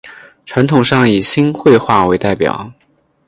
传统上以新会话为代表。